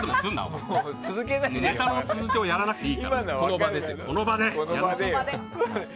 ネタの続きをやらなくていいから。